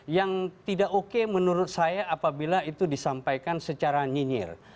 yang tidak oke menurut saya apabila itu disampaikan secara nyinyir